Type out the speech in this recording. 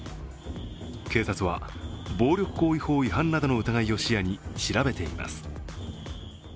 警察は暴力行為法違反などの疑いを視野に調べています。